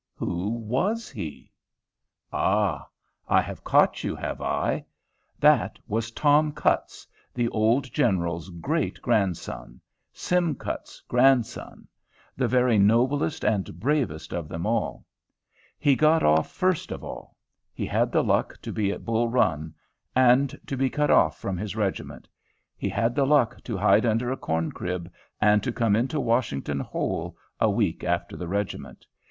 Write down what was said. Who was he? Ah! I have caught you, have I? That was Tom Cutts, the old General's great grandson, Sim Cutts's grandson, the very noblest and bravest of them all. He got off first of all. He had the luck to be at Bull Run, and to be cut off from his regiment. He had the luck to hide under a corn crib, and to come into Washington whole, a week after the regiment.